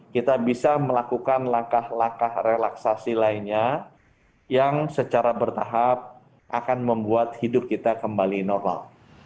kita bisa melakukan langkah langkah relaksasi lainnya yang secara bertahap akan membuat hidup kita kembali normal